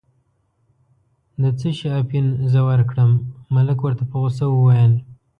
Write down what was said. د څه شي اپین زه ورکړم، ملک ورته په غوسه وویل.